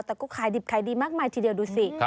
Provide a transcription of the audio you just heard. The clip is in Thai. แต่ก็ขายดิบขายดีมากมายทีเดียวดูสิ